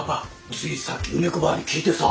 ついさっき梅子ばぁに聞いてさ。